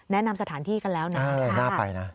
แนะนำสถานที่กันแล้วนะน่าไปนะ